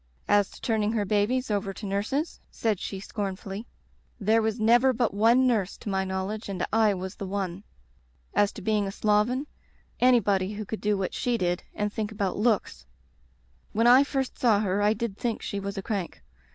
"As to turning her babies over to nurses," said she scornfully, *' there was never but one nurse, to my knowledge, and I was the one. As to being a sloven, anybody who could do what she did and think about looks " When I first saw her I did think she was a crank.